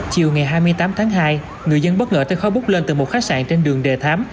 chiều ngày hai mươi tám tháng hai người dân bất ngờ tới khói búp lên từ một khách sạn trên đường đề thám